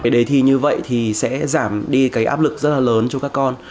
đề thi như vậy thì sẽ giảm đi cái áp lực rất là lớn cho các con